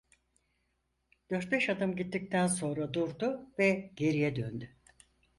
Dört beş adım gittikten sonra durdu ve geriye döndü.